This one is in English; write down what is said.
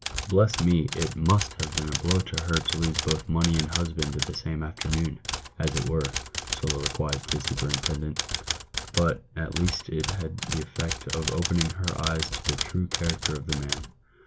" Bless me, it must have been a blow to her to lose both money and husband the same afternoon, as it were," soliloquised the super intendent. " But at least it had the effect of opening her eyes to the true character of the man."